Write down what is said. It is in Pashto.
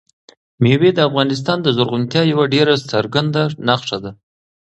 مېوې د افغانستان د زرغونتیا یوه ډېره څرګنده نښه ده.